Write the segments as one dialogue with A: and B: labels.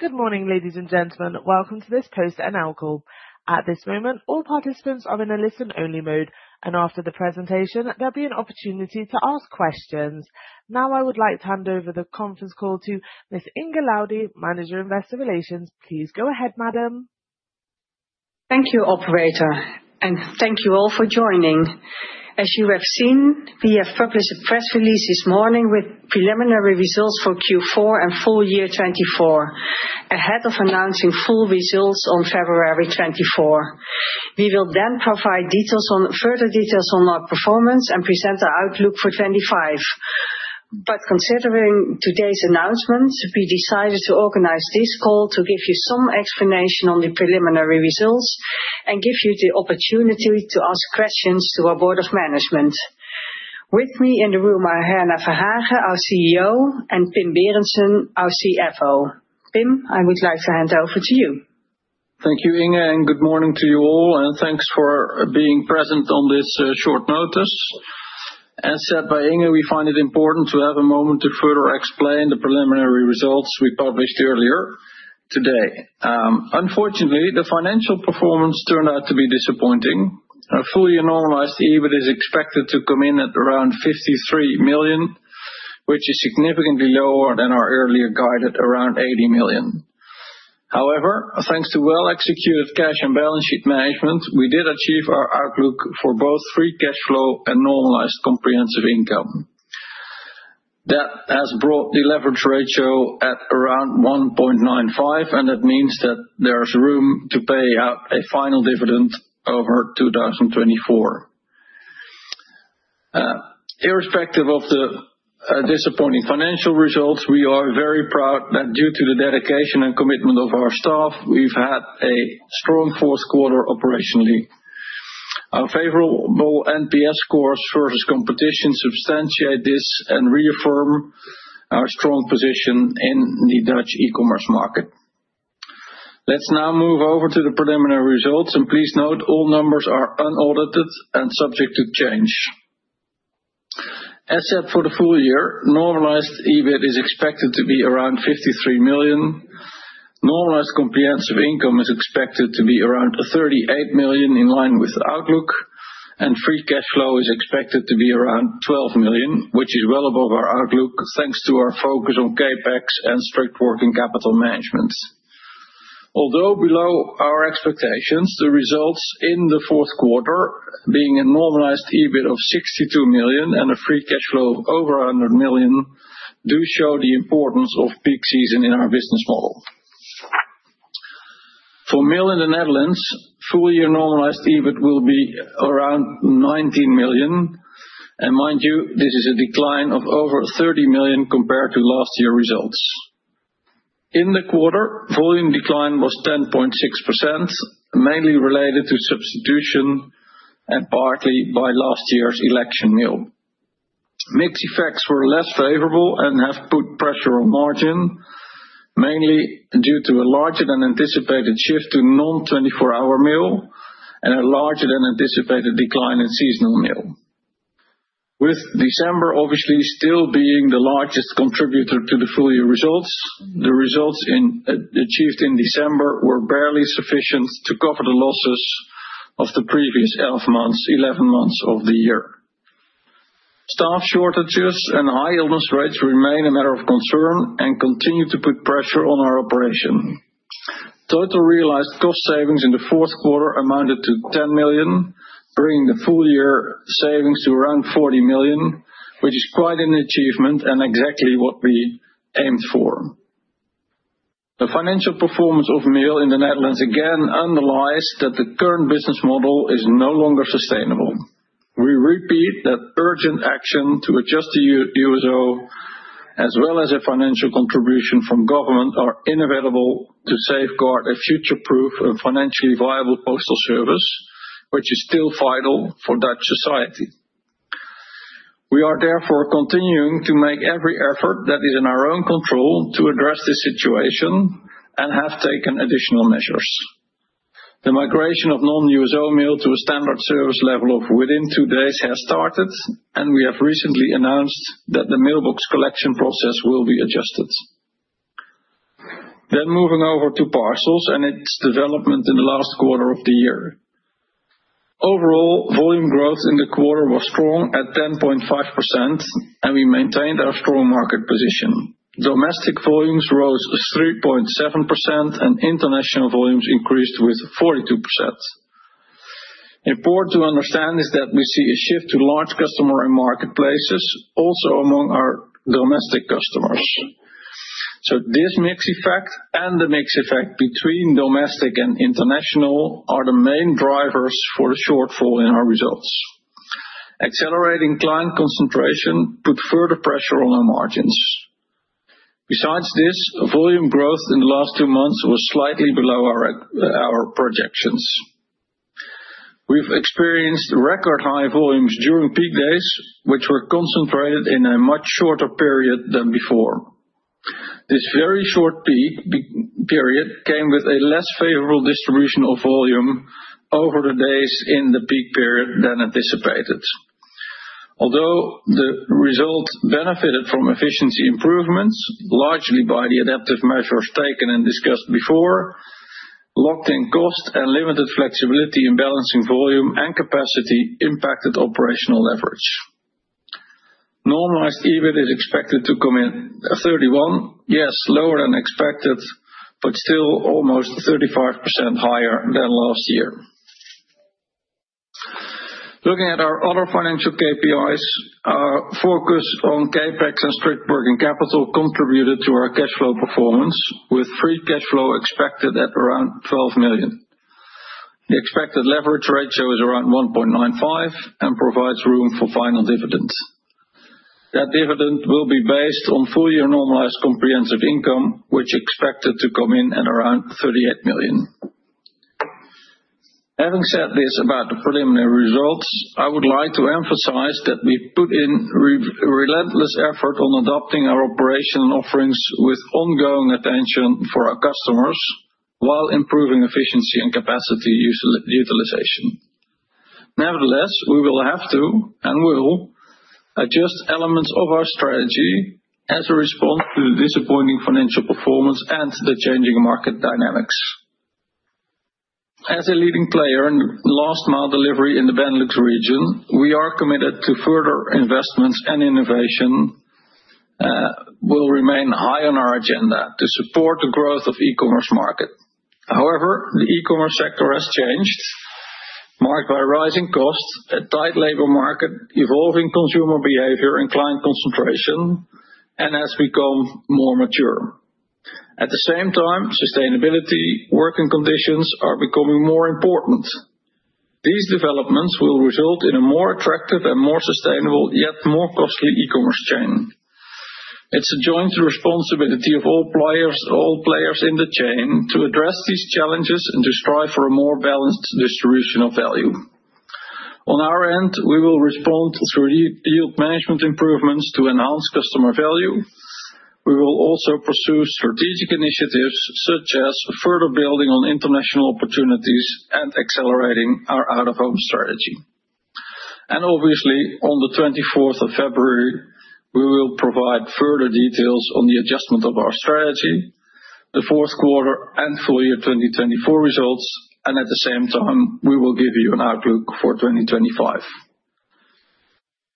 A: Good morning, ladies and gentlemen. Welcome to this PostNL call. At this moment, all participants are in a listen-only mode, and after the presentation, there'll be an opportunity to ask questions. Now, I would like to hand over the conference call to Ms. Inge Laudy, Manager Investor Relations. Please go ahead, madam.
B: Thank you, Operator, and thank you all for joining. As you have seen, we have published a press release this morning with preliminary results for Q4 and full year 2024, ahead of announcing full results on February 24. We will then provide further details on our performance and present our outlook for 2025. But considering today's announcements, we decided to organize this call to give you some explanation on the preliminary results and give you the opportunity to ask questions to our Board of Management. With me in the room are Herna Verhagen, our CEO, and Pim Berendsen, our CFO. Pim, I would like to hand over to you.
C: Thank you, Inge, and good morning to you all, and thanks for being present on this short notice. As said by Inge, we find it important to have a moment to further explain the preliminary results we published earlier today. Unfortunately, the financial performance turned out to be disappointing. A fully normalized EBIT is expected to come in at around 53 million, which is significantly lower than our earlier guided around 80 million. However, thanks to well-executed cash and balance sheet management, we did achieve our outlook for both free cash flow and normalized comprehensive income. That has brought the leverage ratio at around 1.95, and that means that there's room to pay out a final dividend over 2024. Irrespective of the disappointing financial results, we are very proud that due to the dedication and commitment of our staff, we've had a strong fourth quarter operationally. Our favorable NPS scores versus competition substantiate this and reaffirm our strong position in the Dutch e-commerce market. Let's now move over to the preliminary results, and please note all numbers are unaudited and subject to change. As set for the full year, normalized EBIT is expected to be around 53 million. Normalized comprehensive income is expected to be around 38 million in line with outlook, and free cash flow is expected to be around 12 million, which is well above our outlook thanks to our focus on CapEx and strict working capital management. Although below our expectations, the results in the fourth quarter, being a normalized EBIT of 62 million and a free cash flow of over 100 million, do show the importance of peak season in our business model. For Mail in the Netherlands, full year normalized EBIT will be around 19 million, and mind you, this is a decline of over 30 million compared to last year's results. In the quarter, volume decline was 10.6%, mainly related to substitution and partly by last year's election mail. Mix effects were less favorable and have put pressure on margin, mainly due to a larger than anticipated shift to non-24-hour mail and a larger than anticipated decline in seasonal mail. With December obviously still being the largest contributor to the full year results, the results achieved in December were barely sufficient to cover the losses of the previous 11 months of the year. Staff shortages and high illness rates remain a matter of concern and continue to put pressure on our operation. Total realized cost savings in the fourth quarter amounted to 10 million, bringing the full year savings to around 40 million, which is quite an achievement and exactly what we aimed for. The financial performance of Mail in the Netherlands again underlies that the current business model is no longer sustainable. We repeat that urgent action to adjust the USO, as well as a financial contribution from government, are inevitable to safeguard a future-proof and financially viable postal service, which is still vital for Dutch society. We are therefore continuing to make every effort that is in our own control to address this situation and have taken additional measures. The migration of non-USO Mail in the Netherlands to a standard service level of within two days has started, and we have recently announced that the mailbox collection process will be adjusted. Then moving over to parcels and its development in the last quarter of the year. Overall, volume growth in the quarter was strong at 10.5%, and we maintained our strong market position. Domestic volumes rose 3.7% and international volumes increased with 42%. Important to understand is that we see a shift to large customer and marketplaces, also among our domestic customers. So this mixed effect and the mixed effect between domestic and international are the main drivers for the shortfall in our results. Accelerating client concentration put further pressure on our margins. Besides this, volume growth in the last two months was slightly below our projections. We've experienced record high volumes during peak days, which were concentrated in a much shorter period than before. This very short peak period came with a less favorable distribution of volume over the days in the peak period than anticipated. Although the result benefited from efficiency improvements, largely by the adaptive measures taken and discussed before, locked-in cost and limited flexibility in balancing volume and capacity impacted operational leverage. Normalized EBIT is expected to come in at 31 million, yes, lower than expected, but still almost 35% higher than last year. Looking at our other financial KPIs, our focus on CapEx and strict working capital contributed to our cash flow performance, with free cash flow expected at around 12 million. The expected leverage ratio is around 1.95 and provides room for final dividend. That dividend will be based on full year normalized comprehensive income, which is expected to come in at around 38 million. Having said this about the preliminary results, I would like to emphasize that we've put in relentless effort on adopting our operation offerings with ongoing attention for our customers while improving efficiency and capacity utilization. Nevertheless, we will have to, and will, adjust elements of our strategy as a response to the disappointing financial performance and the changing market dynamics. As a leading player in last-mile delivery in the Benelux region, we are committed to further investments and innovation that will remain high on our agenda to support the growth of the e-commerce market. However, the e-commerce sector has changed, marked by rising costs, a tight labor market, evolving consumer behavior, and client concentration, and has become more mature. At the same time, sustainability and working conditions are becoming more important. These developments will result in a more attractive and more sustainable, yet more costly e-commerce chain. It's a joint responsibility of all players in the chain to address these challenges and to strive for a more balanced distribution of value. On our end, we will respond through yield management improvements to enhance customer value. We will also pursue strategic initiatives such as further building on international opportunities and accelerating our out-of-home strategy. And obviously, on the 24th of February, we will provide further details on the adjustment of our strategy, the fourth quarter, and full year 2024 results, and at the same time, we will give you an outlook for 2025.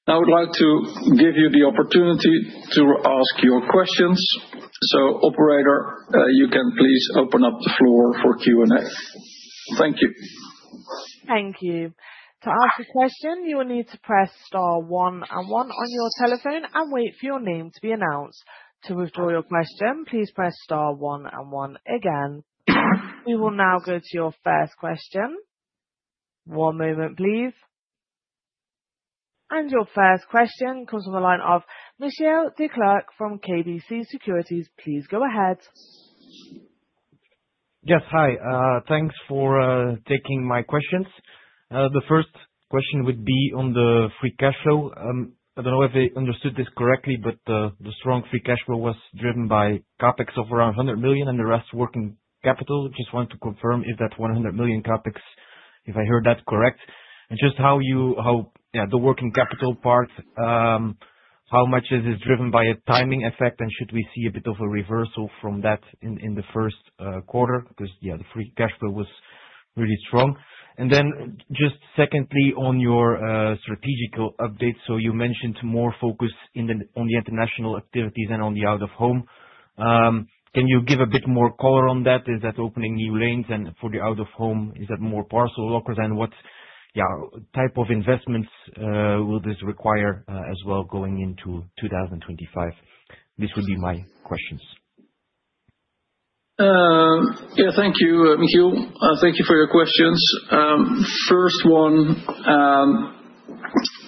C: Now, I would like to give you the opportunity to ask your questions. So, Operator, you can please open up the floor for Q&A. Thank you.
A: Thank you. To ask a question, you will need to press star one and one on your telephone and wait for your name to be announced. To withdraw your question, please press star one and one again. We will now go to your first question. One moment, please. And your first question comes from the line of Michiel Declercq from KBC Securities. Please go ahead.
D: Yes, hi. Thanks for taking my questions. The first question would be on the free cash flow. I don't know if I understood this correctly, but the strong free cash flow was driven by CapEx of around 100 million and the rest working capital. Just wanted to confirm if that 100 million CapEx, if I heard that correct, and just how the working capital part, how much is this driven by a timing effect, and should we see a bit of a reversal from that in the first quarter because, yeah, the free cash flow was really strong. And then just secondly, on your strategic update, so you mentioned more focus on the international activities and on the out-of-home. Can you give a bit more color on that? Is that opening new lanes? And for the out-of-home, is that more parcel lockers? And what type of investments will this require as well going into 2025? This would be my questions.
C: Yeah, thank you, Michiel. Thank you for your questions. First one,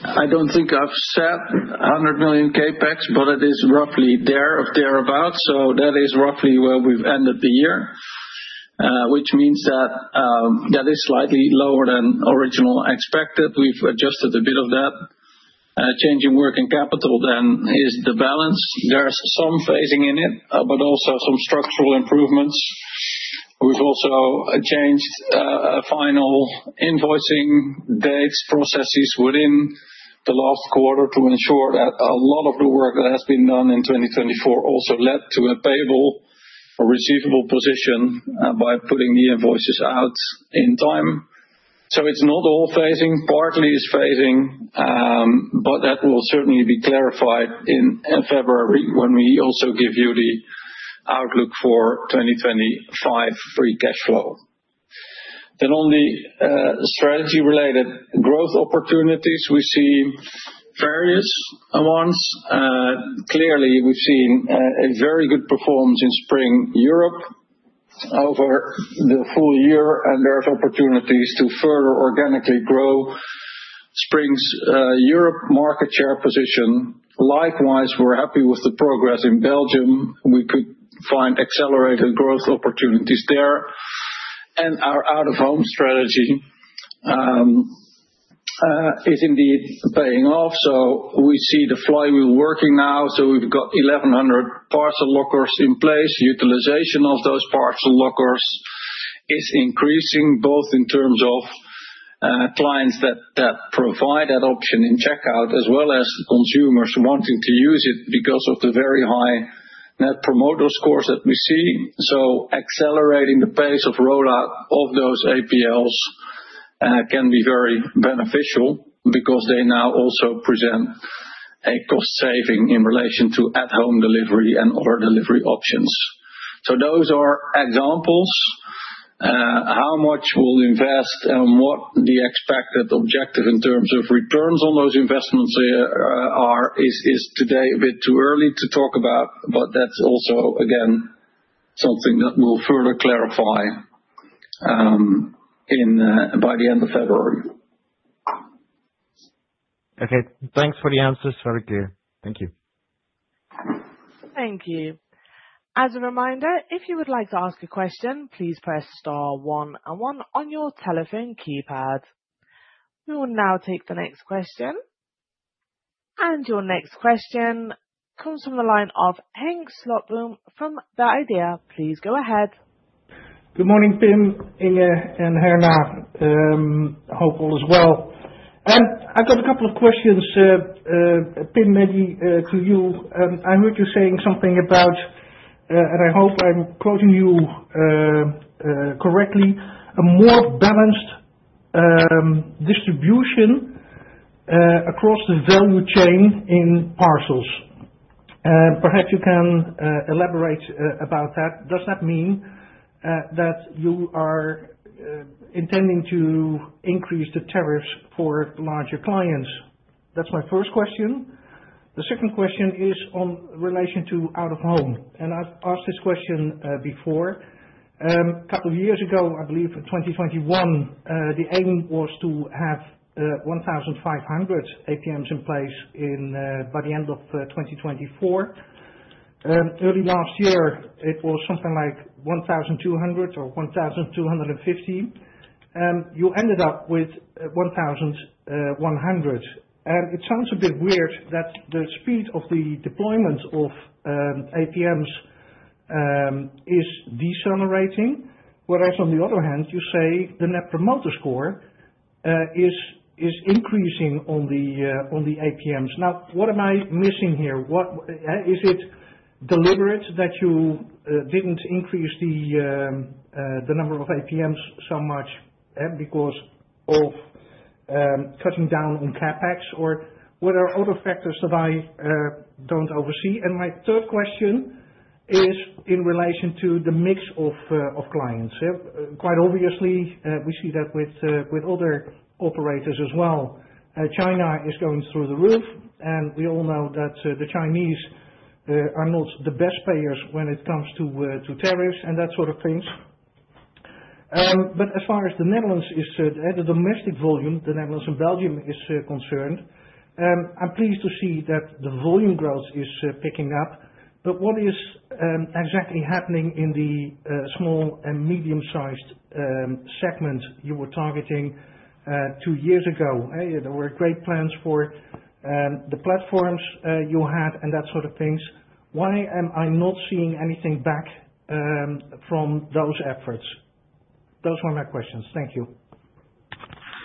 C: I don't think I've set 100 million CapEx, but it is roughly there or thereabouts. So that is roughly where we've ended the year, which means that that is slightly lower than originally expected. We've adjusted a bit of that. Changing working capital then is the balance. There's some phasing in it, but also some structural improvements. We've also changed final invoicing dates, processes within the last quarter to ensure that a lot of the work that has been done in 2024 also led to a payable or receivable position by putting the invoices out in time. So it's not all phasing. Partly it's phasing, but that will certainly be clarified in February when we also give you the outlook for 2025 free cash flow. Then on the strategy-related growth opportunities, we see various ones. Clearly, we've seen a very good performance in Spring Europe over the full year, and there's opportunities to further organically grow Spring's Europe market share position. Likewise, we're happy with the progress in Belgium. We could find accelerated growth opportunities there, and our out-of-home strategy is indeed paying off, so we see the flywheel working now, so we've got 1,100 parcel lockers in place. Utilization of those parcel lockers is increasing, both in terms of clients that provide that option in checkout, as well as consumers wanting to use it because of the very high Net Promoter Scores that we see, so accelerating the pace of rollout of those APLs can be very beneficial because they now also present a cost saving in relation to at-home delivery and other delivery options, so those are examples. How much we'll invest and what the expected objective in terms of returns on those investments is, today a bit too early to talk about, but that's also, again, something that we'll further clarify by the end of February.
D: Okay, thanks for the answers. Very clear. Thank you.
A: Thank you. As a reminder, if you would like to ask a question, please press star one and one on your telephone keypad. We will now take the next question. Your next question comes from the line of Henk Slotboom from The IDEA! Please go ahead.
E: Good morning, Pim, Inge, and Herna. Hope all is well, and I've got a couple of questions. Pim, maybe to you. I heard you saying something about, and I hope I'm quoting you correctly, a more balanced distribution across the value chain in parcels, and perhaps you can elaborate about that. Does that mean that you are intending to increase the tariffs for larger clients? That's my first question. The second question is in relation to out-of-home, and I've asked this question before. A couple of years ago, I believe in 2021, the aim was to have 1,500 APMs in place by the end of 2024. Early last year, it was something like 1,200 or 1,250. You ended up with 1,100. And it sounds a bit weird that the speed of the deployment of APMs is decelerating, whereas on the other hand, you say the Net Promoter Score is increasing on the APMs. Now, what am I missing here? Is it deliberate that you didn't increase the number of APMs so much because of cutting down on CapEx, or what are other factors that I don't oversee? And my third question is in relation to the mix of clients. Quite obviously, we see that with other operators as well. China is going through the roof, and we all know that the Chinese are not the best payers when it comes to tariffs and that sort of thing. But as far as the Netherlands is said, the domestic volume, the Netherlands and Belgium is concerned, I'm pleased to see that the volume growth is picking up. But what is exactly happening in the small and medium-sized segment you were targeting two years ago? There were great plans for the platforms you had and that sort of thing. Why am I not seeing anything back from those efforts? Those were my questions. Thank you.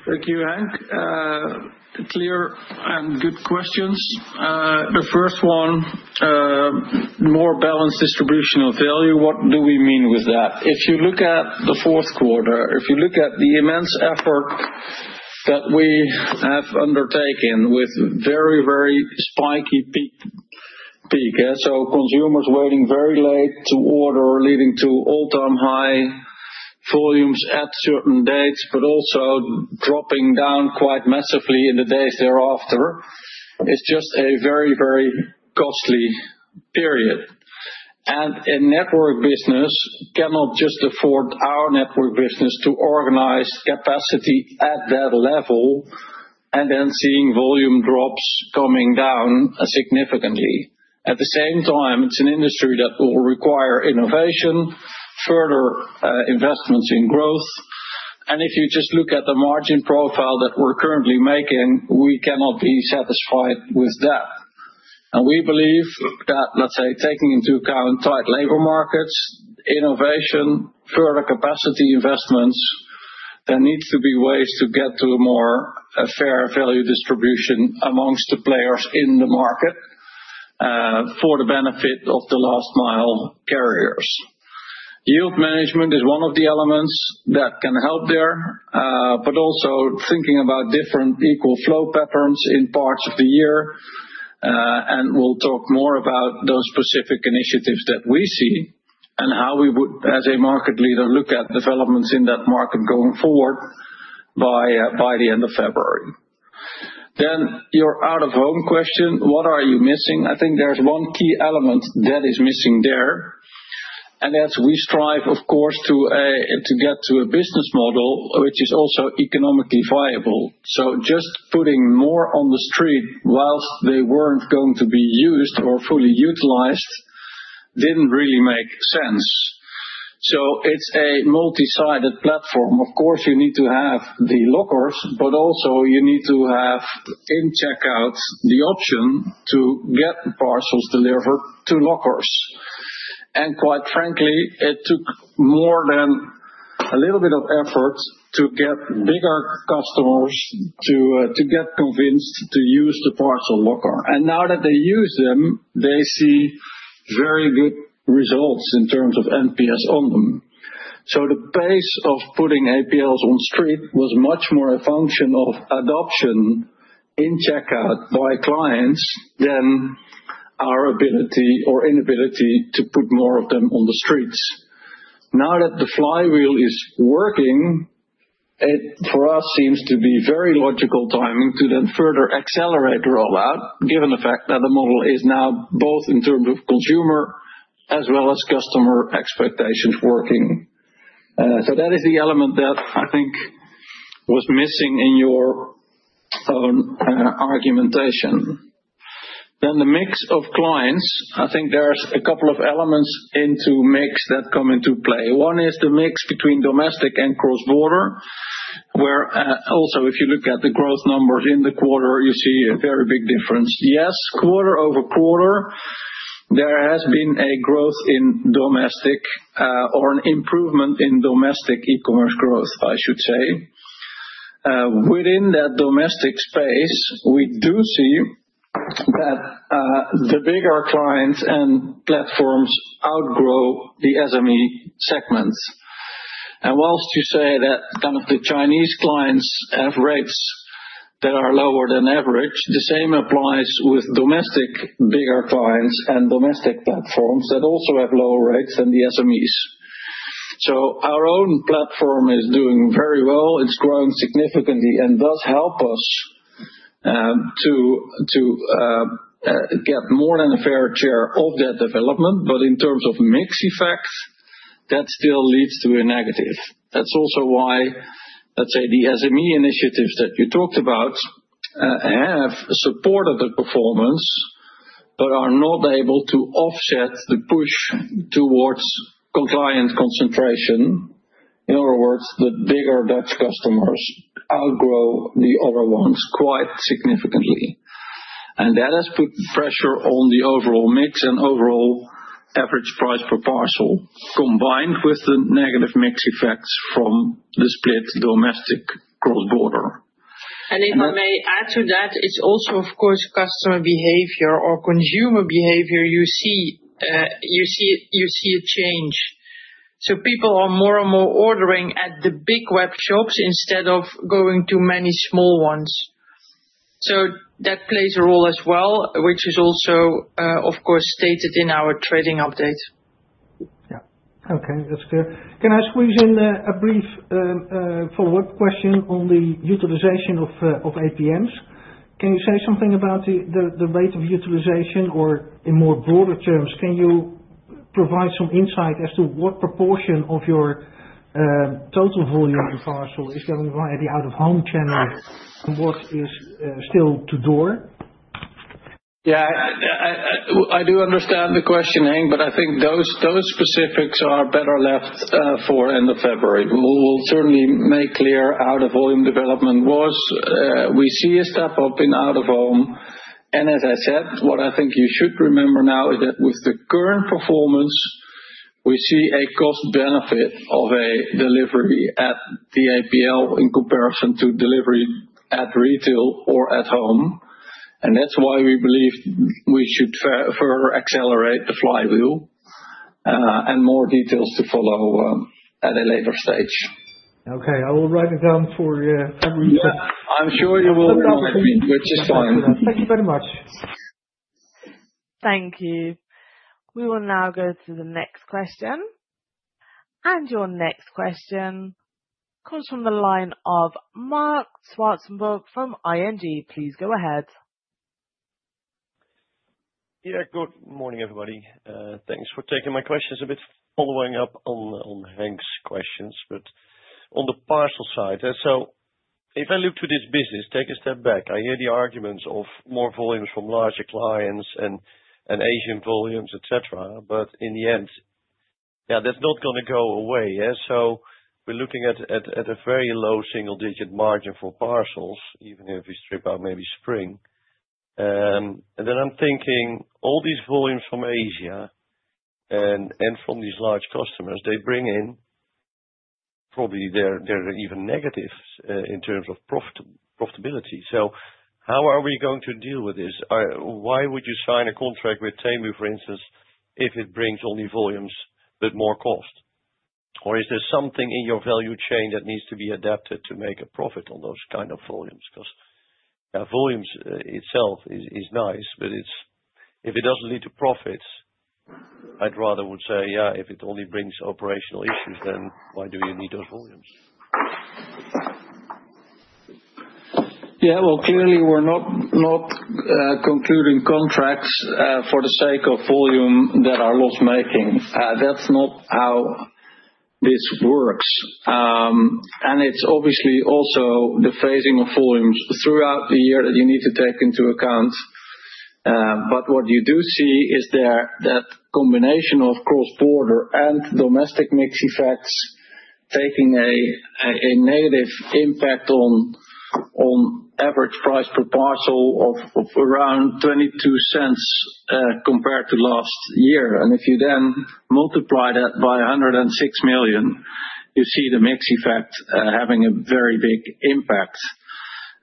C: Thank you, Henk. Clear and good questions. The first one, more balanced distribution of value, what do we mean with that? If you look at the fourth quarter, if you look at the immense effort that we have undertaken with very, very spiky peak, so consumers waiting very late to order, leading to all-time high volumes at certain dates, but also dropping down quite massively in the days thereafter, it's just a very, very costly period. And a network business cannot just afford our network business to organize capacity at that level and then seeing volume drops coming down significantly. At the same time, it's an industry that will require innovation, further investments in growth. And if you just look at the margin profile that we're currently making, we cannot be satisfied with that. And we believe that, let's say, taking into account tight labor markets, innovation, further capacity investments, there needs to be ways to get to a more fair value distribution amongst the players in the market for the benefit of the last-mile carriers. Yield management is one of the elements that can help there, but also thinking about different equal flow patterns in parts of the year. And we'll talk more about those specific initiatives that we see and how we would, as a market leader, look at developments in that market going forward by the end of February. Then, your out-of-home question: what are you missing? I think there's one key element that is missing there, and that's we strive, of course, to get to a business model which is also economically viable. So just putting more on the street whilst they weren't going to be used or fully utilized didn't really make sense. So it's a multi-sided platform. Of course, you need to have the lockers, but also you need to have in checkout the option to get parcels delivered to lockers. And quite frankly, it took more than a little bit of effort to get bigger customers to get convinced to use the parcel locker. And now that they use them, they see very good results in terms of NPS on them. So the pace of putting APLs on street was much more a function of adoption in checkout by clients than our ability or inability to put more of them on the streets. Now that the flywheel is working, it for us seems to be very logical timing to then further accelerate rollout, given the fact that the model is now both in terms of consumer as well as customer expectations working. So that is the element that I think was missing in your own argumentation. Then the mix of clients, I think there's a couple of elements into mix that come into play. One is the mix between domestic and cross-border, where also if you look at the growth numbers in the quarter, you see a very big difference. Yes, quarter over quarter, there has been a growth in domestic or an improvement in domestic e-commerce growth, I should say. Within that domestic space, we do see that the bigger clients and platforms outgrow the SME segments. While you say that kind of the Chinese clients have rates that are lower than average, the same applies with domestic bigger clients and domestic platforms that also have lower rates than the SMEs. So our own platform is doing very well. It's growing significantly and does help us to get more than a fair share of that development, but in terms of mix effect, that still leads to a negative. That's also why, let's say, the SME initiatives that you talked about have supported the performance, but are not able to offset the push towards client concentration. In other words, the bigger Dutch customers outgrow the other ones quite significantly. That has put pressure on the overall mix and overall average price per parcel, combined with the negative mix effects from the split domestic cross-border.
F: And if I may add to that, it's also, of course, customer behavior or consumer behavior. You see a change. So people are more and more ordering at the big web shops instead of going to many small ones. So that plays a role as well, which is also, of course, stated in our trading update.
E: Yeah. Okay, that's clear. Can I squeeze in a brief follow-up question on the utilization of APMs? Can you say something about the rate of utilization or in more broader terms, can you provide some insight as to what proportion of your total volume in parcel is going via the out-of-home channel and what is still to door?
C: Yeah, I do understand the question, Henk, but I think those specifics are better left for end of February. We'll certainly make clear how the volume development was. We see a step up in out-of-home. And as I said, what I think you should remember now is that with the current performance, we see a cost benefit of a delivery at the APL in comparison to delivery at retail or at home. And that's why we believe we should further accelerate the flywheel and more details to follow at a later stage.
E: Okay, I will write it down for you.
C: I'm sure you will remember it, which is fine.
E: Thank you very much.
A: Thank you. We will now go to the next question. And your next question comes from the line of Marc Zwartsenburg from ING. Please go ahead.
G: Yeah, good morning, everybody. Thanks for taking my questions. A bit following up on Henk's questions, but on the parcel side, so if I look to this business, take a step back, I hear the arguments of more volumes from larger clients and Asian volumes, etc. But in the end, yeah, that's not going to go away. So we're looking at a very low single-digit margin for parcels, even if we strip out maybe Spring. And then I'm thinking all these volumes from Asia and from these large customers, they bring in probably they're even negative in terms of profitability. So how are we going to deal with this? Why would you sign a contract with Temu, for instance, if it brings only volumes but more cost? Or is there something in your value chain that needs to be adapted to make a profit on those kind of volumes? Because volumes itself is nice, but if it doesn't lead to profits, I'd rather say, yeah, if it only brings operational issues, then why do you need those volumes?
C: Yeah, well, clearly, we're not concluding contracts for the sake of volume that are loss-making. That's not how this works. And it's obviously also the phasing of volumes throughout the year that you need to take into account. But what you do see is that combination of cross-border and domestic mix effects taking a negative impact on average price per parcel of around 0.22 compared to last year. And if you then multiply that by 106 million, you see the mix effect having a very big impact.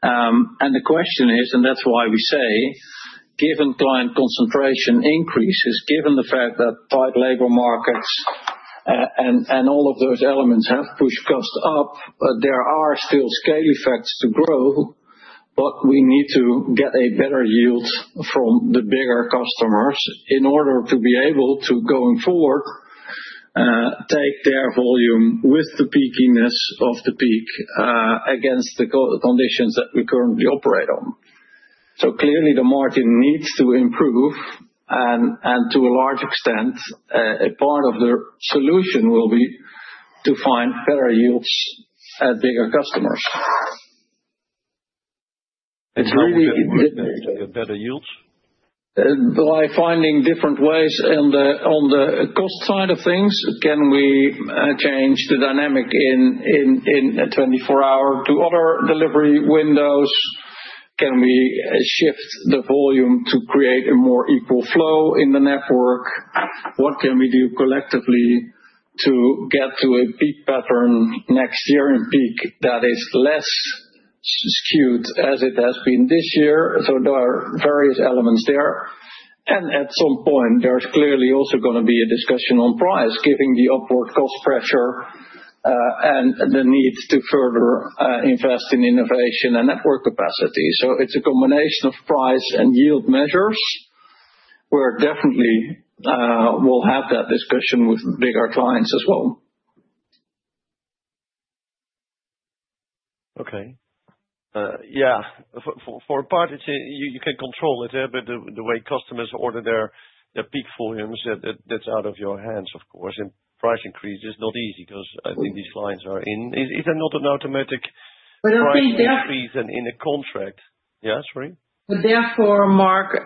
C: The question is, and that's why we say, given client concentration increases, given the fact that tight labor markets and all of those elements have pushed costs up, there are still scale effects to grow, but we need to get a better yield from the bigger customers in order to be able to going forward, take their volume with the peakiness of the peak against the conditions that we currently operate on. So clearly, the margin needs to improve, and to a large extent, a part of the solution will be to find better yields at bigger customers.
G: It's really better yields?
C: By finding different ways on the cost side of things. Can we change the dynamic in 24-hour to other delivery windows? Can we shift the volume to create a more equal flow in the network? What can we do collectively to get to a peak pattern next year in peak that is less skewed as it has been this year? So there are various elements there. And at some point, there's clearly also going to be a discussion on price, giving the upward cost pressure and the need to further invest in innovation and network capacity. So it's a combination of price and yield measures. We definitely will have that discussion with bigger clients as well.
G: Okay. Yeah, for a part, you can control it, but the way customers order their peak volumes, that's out of your hands, of course. And price increase is not easy because I think these lines are in. Is there not an automatic price increase in a contract? Yeah, sorry?
F: But therefore, Marc,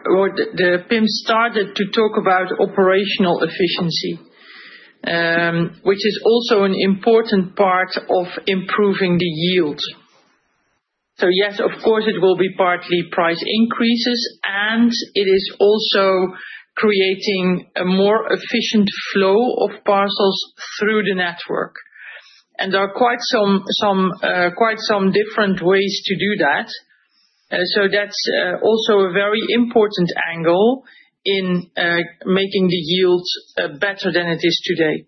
F: Pim started to talk about operational efficiency, which is also an important part of improving the yield. So yes, of course, it will be partly price increases, and it is also creating a more efficient flow of parcels through the network. And there are quite some different ways to do that. So that's also a very important angle in making the yields better than it is today.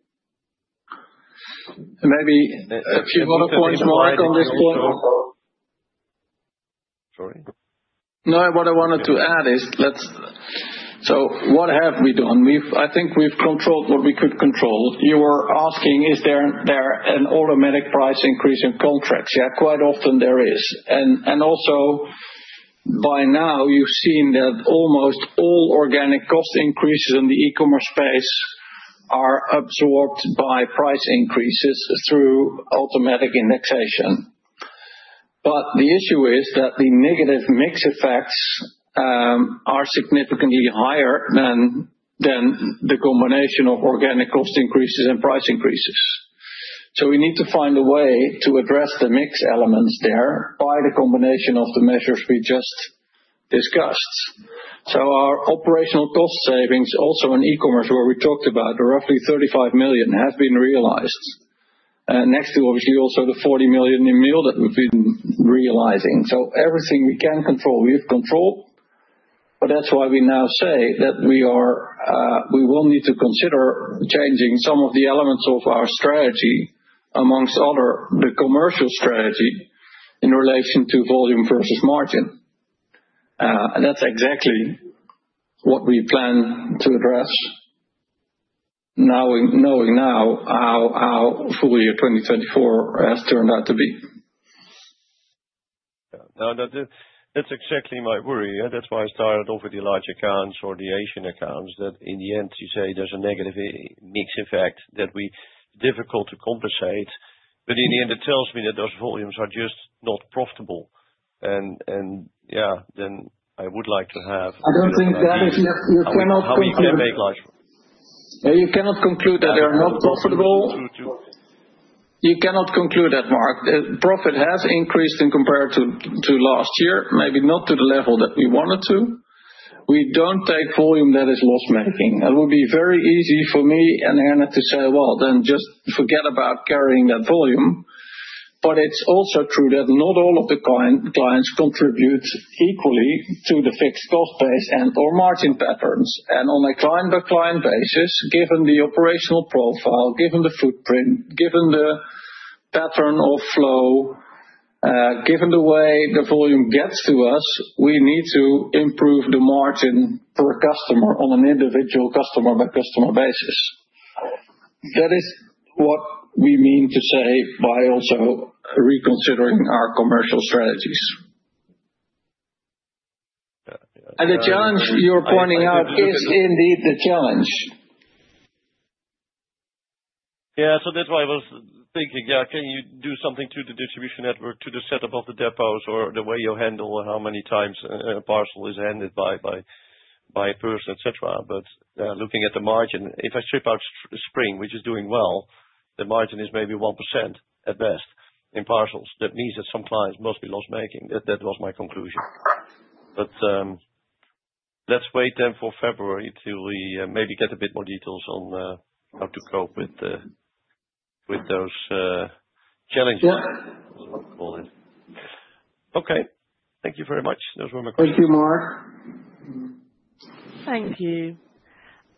G: Maybe a few more points, Marc, on this point. Sorry?
C: No, what I wanted to add is, so what have we done? I think we've controlled what we could control. You were asking, is there an automatic price increase in contracts? Yeah, quite often there is. And also, by now, you've seen that almost all organic cost increases in the e-commerce space are absorbed by price increases through automatic indexation. But the issue is that the negative mix effects are significantly higher than the combination of organic cost increases and price increases. So we need to find a way to address the mix elements there by the combination of the measures we just discussed. So our operational cost savings, also in e-commerce, where we talked about, roughly 35 million have been realized, next to obviously also the 40 million in mail that we've been realizing. So everything we can control, we have control. But that's why we now say that we will need to consider changing some of the elements of our strategy, among other the commercial strategy in relation to volume versus margin. And that's exactly what we plan to address, knowing now how full year 2024 has turned out to be.
G: That's exactly my worry. That's why I started off with the large accounts or the Asian accounts, that in the end, you say there's a negative mix effect that we difficult to compensate. But in the end, it tells me that those volumes are just not profitable. And yeah, then I would like to have.
F: I don't think that you cannot conclude.
C: You cannot conclude that they are not profitable. You cannot conclude that, Marc. The profit has increased in comparison to last year, maybe not to the level that we wanted to. We don't take volume that is loss-making. It would be very easy for me and Herna to say, well, then just forget about carrying that volume. But it's also true that not all of the clients contribute equally to the fixed cost base and/or margin patterns. And on a client-by-client basis, given the operational profile, given the footprint, given the pattern of flow, given the way the volume gets to us, we need to improve the margin per customer on an individual customer-by-customer basis. That is what we mean to say by also reconsidering our commercial strategies. And the challenge you're pointing out is indeed the challenge.
G: Yeah, so that's why I was thinking, yeah, can you do something to the distribution network, to the setup of the depots or the way you handle how many times a parcel is handed by a person, etc.? But looking at the margin, if I strip out Spring, which is doing well, the margin is maybe 1% at best in parcels. That means that some clients must be loss-making. That was my conclusion. But let's wait then for February till we maybe get a bit more details on how to cope with those challenges, as we call it. Okay, thank you very much. Those were my questions.
C: Thank you, Marc.
A: Thank you.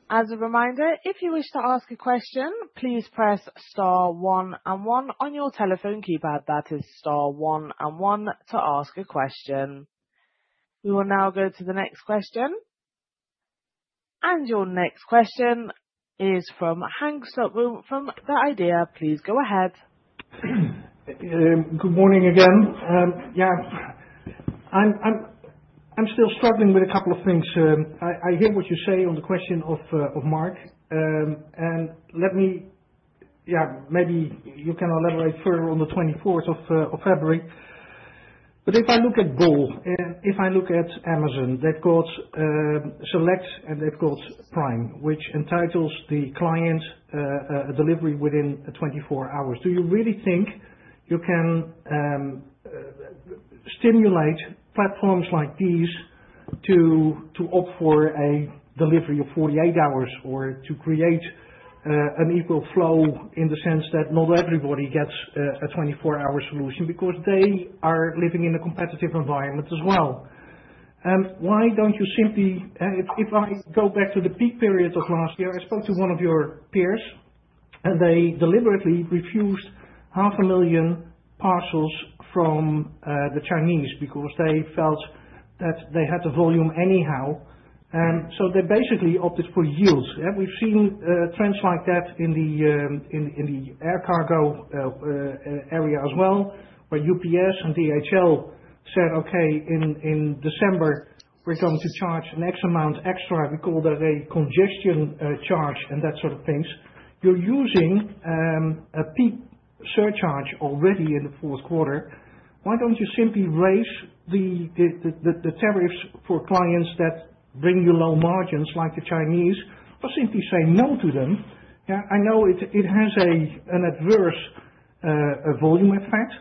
A: As a reminder, if you wish to ask a question, please press star one and one on your telephone keypad. That is star one and one to ask a question. We will now go to the next question. And your next question is from Henk Slotboom from The IDEA! Please go ahead.
E: Good morning again. Yeah, I'm still struggling with a couple of things. I hear what you say on the question of Marc, and let me, yeah, maybe you can elaborate further on the 24th of February, but if I look at Google, and if I look at Amazon, they've got Select, and they've got Prime, which entitles the client to delivery within 24 hours. Do you really think you can stimulate platforms like these to opt for a delivery of 48 hours or to create an equal flow in the sense that not everybody gets a 24-hour solution because they are living in a competitive environment as well, and why don't you simply, if I go back to the peak period of last year, I spoke to one of your peers, and they deliberately refused 500,000 parcels from the Chinese because they felt that they had the volume anyhow. They basically opted for yields. We've seen trends like that in the air cargo area as well, where UPS and DHL said, okay, in December, we're going to charge an X amount extra. We call that a congestion charge and that sort of thing. You're using a peak surcharge already in the fourth quarter. Why don't you simply raise the tariffs for clients that bring you low margins like the Chinese or simply say no to them? Yeah, I know it has an adverse volume effect,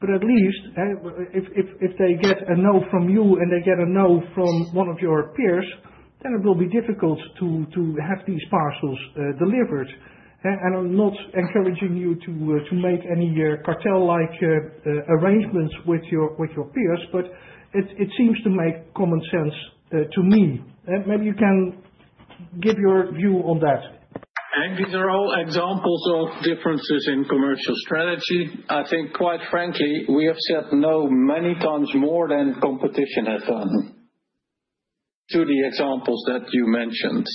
E: but at least if they get a no from you and they get a no from one of your peers, then it will be difficult to have these parcels delivered. And I'm not encouraging you to make any cartel-like arrangements with your peers, but it seems to make common sense to me. Maybe you can give your view on that.
C: I think these are all examples of differences in commercial strategy. I think, quite frankly, we have said no many times more than competition has done to the examples that you mentioned,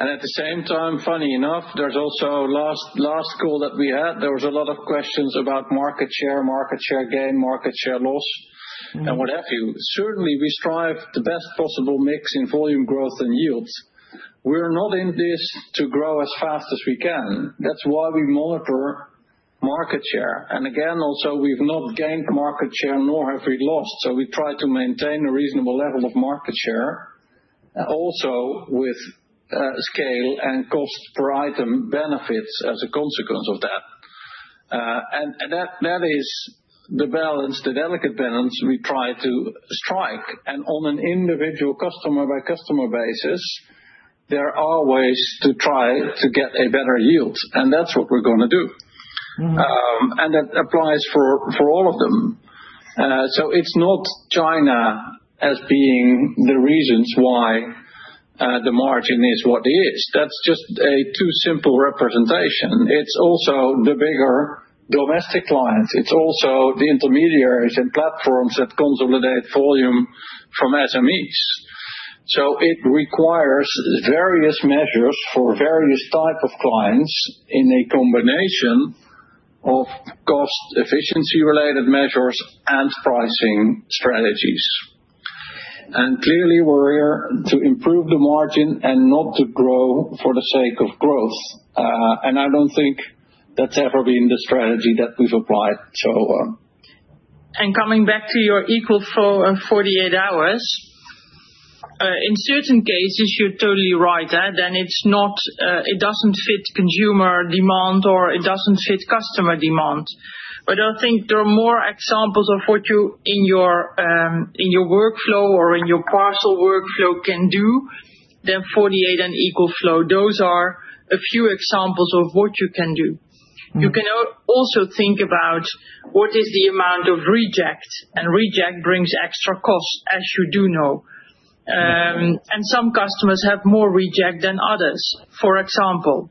C: and at the same time, funny enough, the last call that we had, there was a lot of questions about market share, market share gain, market share loss, and what have you. Certainly, we strive for the best possible mix in volume growth and yields. We're not in this to grow as fast as we can. That's why we monitor market share, and again, also, we've not gained market share, nor have we lost, so we try to maintain a reasonable level of market share, also with scale and cost per item benefits as a consequence of that, and that is the balance, the delicate balance we try to strike. And on an individual customer-by-customer basis, there are ways to try to get a better yield. And that's what we're going to do. And that applies for all of them. So it's not China as being the reasons why the margin is what it is. That's just a too simple representation. It's also the bigger domestic clients. It's also the intermediaries and platforms that consolidate volume from SMEs. So it requires various measures for various types of clients in a combination of cost efficiency-related measures and pricing strategies. And clearly, we're here to improve the margin and not to grow for the sake of growth. And I don't think that's ever been the strategy that we've applied, so.
F: Coming back to your equal 48 hours, in certain cases, you're totally right, then it doesn't fit consumer demand or it doesn't fit customer demand. But I think there are more examples of what you in your workflow or in your parcel workflow can do than 48 and equal flow. Those are a few examples of what you can do. You can also think about what is the amount of reject, and reject brings extra cost, as you do know. And some customers have more reject than others. For example,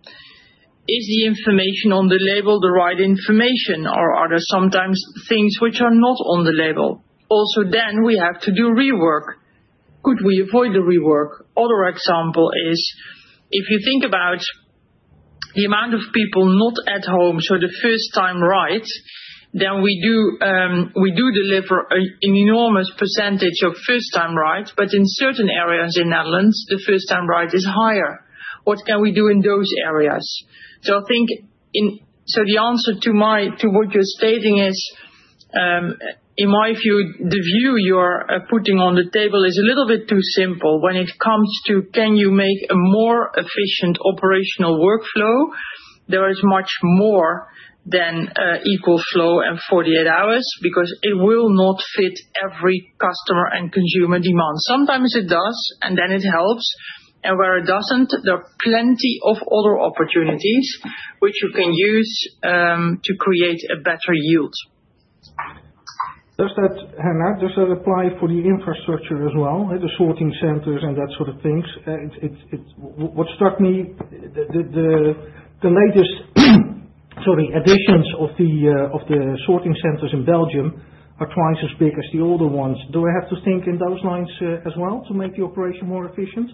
F: is the information on the label the right information, or are there sometimes things which are not on the label? Also then, we have to do rework. Could we avoid the rework? Other example is, if you think about the amount of people not at home, so the First Time Right, then we do deliver an enormous percentage of First Time Right, but in certain areas in Netherlands, the First Time Right is higher. What can we do in those areas? So I think the answer to what you're stating is, in my view, the view you're putting on the table is a little bit too simple when it comes to can you make a more efficient operational workflow. There is much more than equal flow and 48 hours because it will not fit every customer and consumer demand. Sometimes it does, and then it helps. And where it doesn't, there are plenty of other opportunities which you can use to create a better yield.
E: Does that, Herna, does that apply for the infrastructure as well, the sorting centers and that sort of things? What struck me, the latest additions of the sorting centers in Belgium are twice as big as the older ones. Do I have to think in those lines as well to make the operation more efficient?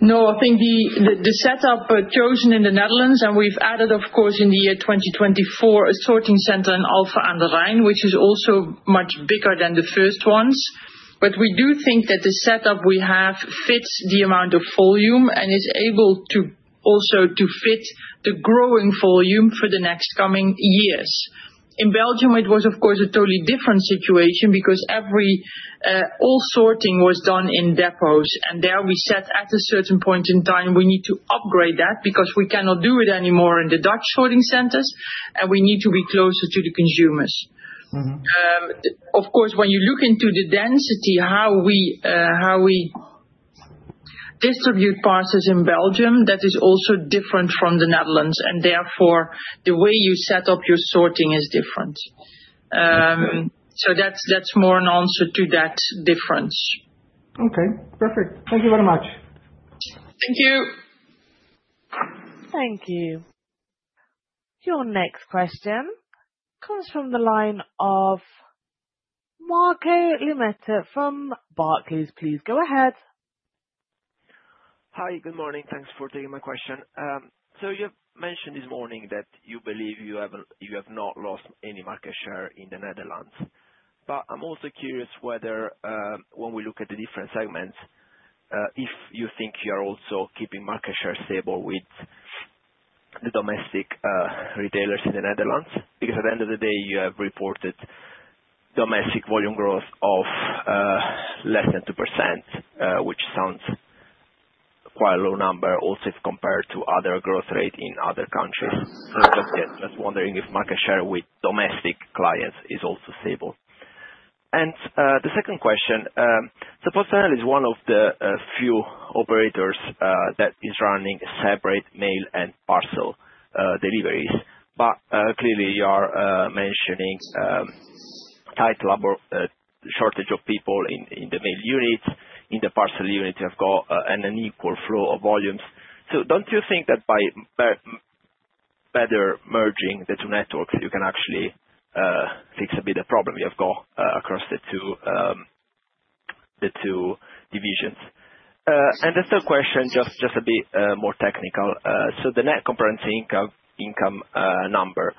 F: No, I think the setup chosen in the Netherlands, and we've added, of course, in the year 2024, a sorting center in Alphen aan den Rijn, which is also much bigger than the first ones. But we do think that the setup we have fits the amount of volume and is able also to fit the growing volume for the next coming years. In Belgium, it was, of course, a totally different situation because all sorting was done in depots. And there we said at a certain point in time, we need to upgrade that because we cannot do it anymore in the Dutch sorting centers, and we need to be closer to the consumers. Of course, when you look into the density, how we distribute parcels in Belgium, that is also different from the Netherlands. And therefore, the way you set up your sorting is different. So that's more an answer to that difference.
E: Okay, perfect. Thank you very much.
F: Thank you.
A: Thank you. Your next question comes from the line of Marco Limite from Barclays. Please go ahead.
H: Hi, good morning. Thanks for taking my question. So you mentioned this morning that you believe you have not lost any market share in the Netherlands. But I'm also curious whether, when we look at the different segments, if you think you are also keeping market share stable with the domestic retailers in the Netherlands. Because at the end of the day, you have reported domestic volume growth of less than 2%, which sounds quite a low number, also if compared to other growth rates in other countries. So just wondering if market share with domestic clients is also stable. And the second question, suppose Netherlands is one of the few operators that is running separate mail and parcel deliveries. But clearly, you are mentioning tight labor shortage of people in the mail units. In the parcel units, you have got an unequal flow of volumes. So don't you think that by better merging the two networks, you can actually fix a bit of the problem you have got across the two divisions? And the third question, just a bit more technical. So the net comprehensive income number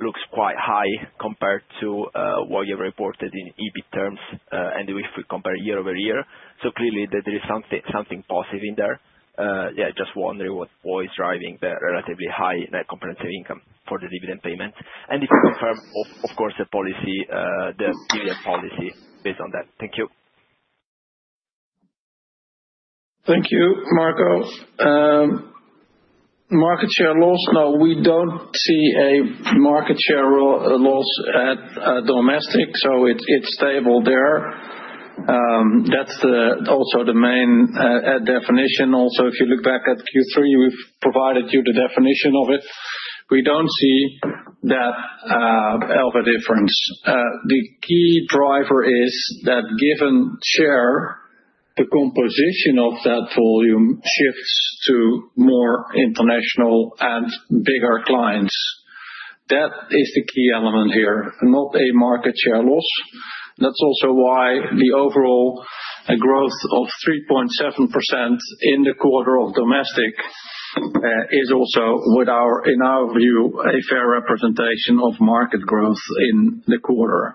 H: looks quite high compared to what you reported in EBIT terms, and if we compare year over year. So clearly, there is something positive in there. Yeah, just wondering what is driving the relatively high net comprehensive income for the dividend payment. And if you confirm, of course, the dividend policy based on that. Thank you.
C: Thank you, Marco. Market share loss, no, we don't see a market share loss at domestic, so it's stable there. That's also the main definition. Also, if you look back at Q3, we've provided you the definition of it. We don't see that elbow difference. The key driver is that given share, the composition of that volume shifts to more international and bigger clients. That is the key element here, not a market share loss. That's also why the overall growth of 3.7% in the quarter of domestic is also, in our view, a fair representation of market growth in the quarter.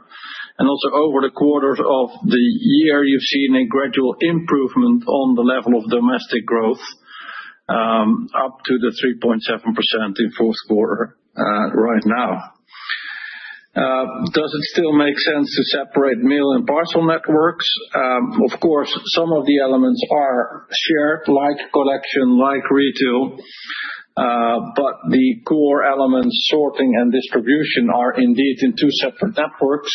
C: And also, over the quarters of the year, you've seen a gradual improvement on the level of domestic growth up to the 3.7% in fourth quarter right now. Does it still make sense to separate mail and parcel networks? Of course, some of the elements are shared, like collection, like retail. But the core elements, sorting and distribution, are indeed in two separate networks.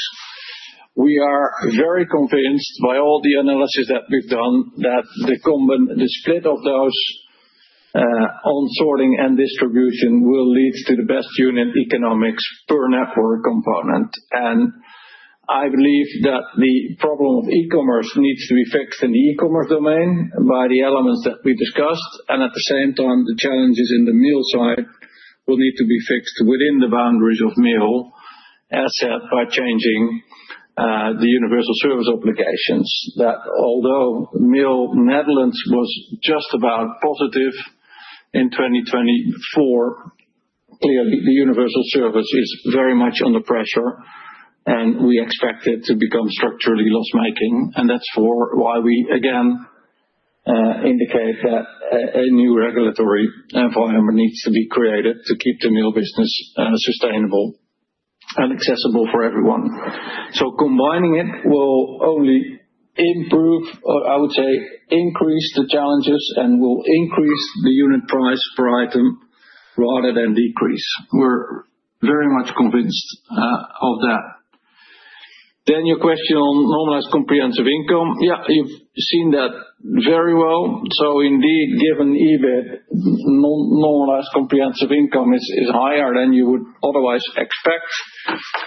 C: We are very convinced by all the analysis that we've done that the split of those on sorting and distribution will lead to the best unit economics per network component. And I believe that the problem of e-commerce needs to be fixed in the e-commerce domain by the elements that we discussed. And at the same time, the challenges in the mail side will need to be fixed within the boundaries of mail asset by changing the universal service obligations. Although mail Netherlands was just about positive in 2024, clearly, the universal service is very much under pressure, and we expect it to become structurally loss-making. That's why we, again, indicate that a new regulatory environment needs to be created to keep the mail business sustainable and accessible for everyone. Combining it will only improve, or I would say increase the challenges, and will increase the unit price per item rather than decrease. We're very much convinced of that. Your question on normalized comprehensive income, yeah, you've seen that very well. Indeed, given EBIT, normalized comprehensive income is higher than you would otherwise expect.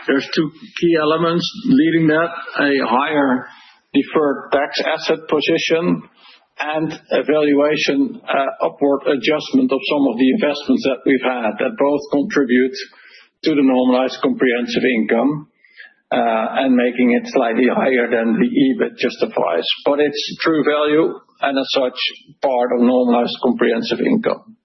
C: There's two key elements leading that: a higher deferred tax asset position and a valuation upward adjustment of some of the investments that we've had that both contribute to the normalized comprehensive income and making it slightly higher than the EBIT justifies. It's true value and, as such, part of normalized comprehensive income.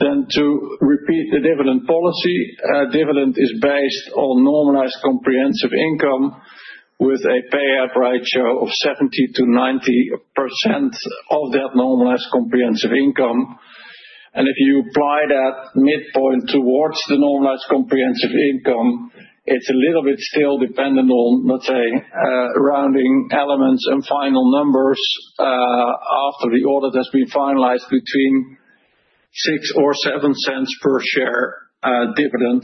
C: Then to repeat the dividend policy, dividend is based on normalized comprehensive income with a payout ratio of 70%-90% of that normalized comprehensive income. And if you apply that midpoint towards the normalized comprehensive income, it's a little bit still dependent on, let's say, rounding elements and final numbers after the order that's been finalized between 0.06 or 0.07 per share dividend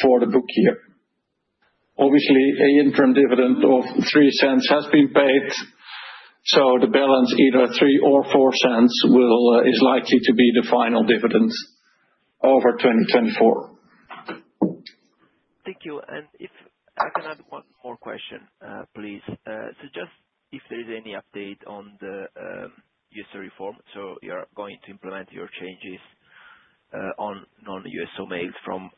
C: for the book year. Obviously, an interim dividend of 0.03 has been paid. So the balance, either 0.03 or 0.04, is likely to be the final dividend over 2024.
H: Thank you, and if I can add one more question, please. Just if there is any update on the USO reform, you are going to implement your changes on non-USO mails from,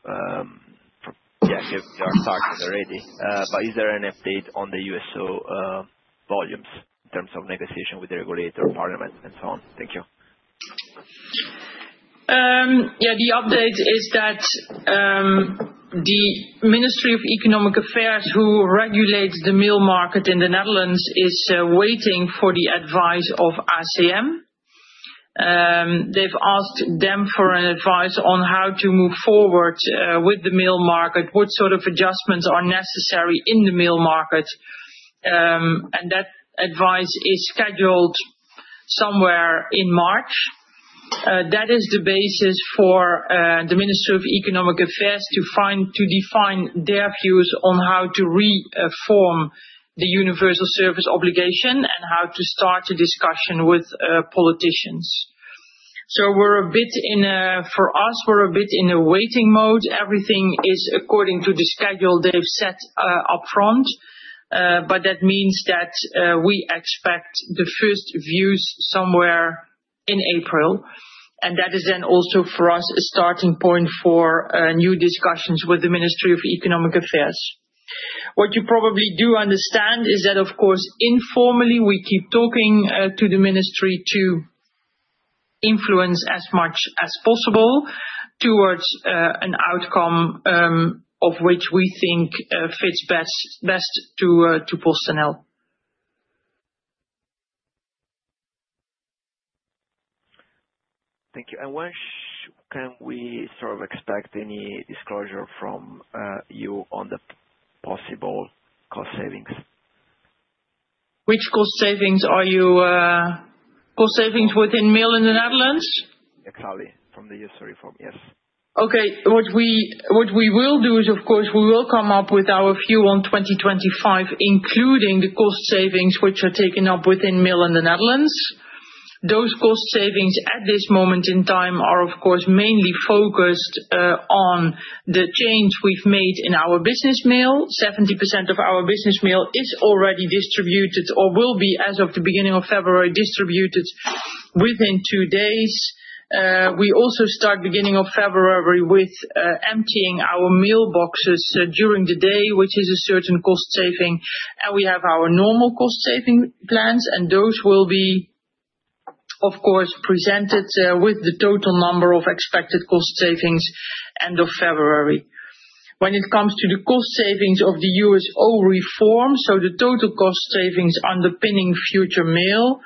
H: yeah, you are starting already. But is there an update on the USO volumes in terms of negotiation with the regulatory parliament and so on? Thank you.
F: Yeah, the update is that the Ministry of Economic Affairs, who regulates the mail market in the Netherlands, is waiting for the advice of ACM. They've asked them for advice on how to move forward with the mail market, what sort of adjustments are necessary in the mail market, and that advice is scheduled somewhere in March. That is the basis for the Ministry of Economic Affairs to define their views on how to reform the universal service obligation and how to start a discussion with politicians, so we're a bit in a waiting mode for us. Everything is according to the schedule they've set upfront, but that means that we expect the first views somewhere in April, and that is then also for us a starting point for new discussions with the Ministry of Economic Affairs. What you probably do understand is that, of course, informally, we keep talking to the Ministry to influence as much as possible towards an outcome of which we think fits best to PostNL.
H: Thank you. And when can we sort of expect any disclosure from you on the possible cost savings?
F: Which cost savings are you seeing within Mail in the Netherlands?
H: Exactly. From the USO reform, yes.
F: Okay. What we will do is, of course, we will come up with our view on 2025, including the cost savings which are taken up within mail in the Netherlands. Those cost savings at this moment in time are, of course, mainly focused on the change we've made in our business mail. 70% of our business mail is already distributed or will be, as of the beginning of February, distributed within two days. We also start beginning of February with emptying our mail boxes during the day, which is a certain cost saving. And we have our normal cost saving plans, and those will be, of course, presented with the total number of expected cost savings end of February. When it comes to the cost savings of the USO reform, so the total cost savings underpinning future mail,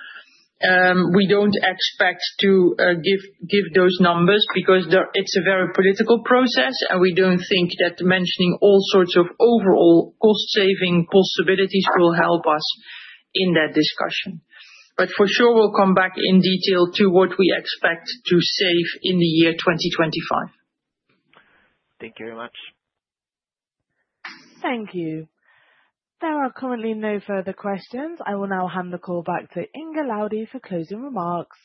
F: we don't expect to give those numbers because it's a very political process, and we don't think that mentioning all sorts of overall cost saving possibilities will help us in that discussion. But for sure, we'll come back in detail to what we expect to save in the year 2025.
H: Thank you very much.
A: Thank you. There are currently no further questions. I will now hand the call back to Inge Laudy for closing remarks.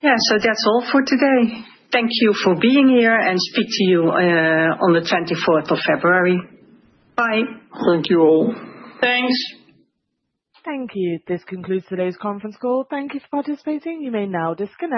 B: Yeah, so that's all for today. Thank you for being here, and speak to you on the 24th of February. Bye.
C: Thank you all.
F: Thanks.
A: Thank you. This concludes today's conference call. Thank you for participating. You may now disconnect.